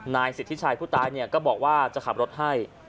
นายสิทธิชัยผู้ตายก็บอกว่าจะขับรถให้